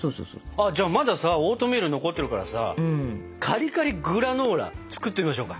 じゃあまださオートミール残ってるからさカリカリグラノーラ作ってみましょうか？